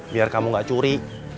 biar kamu gak curi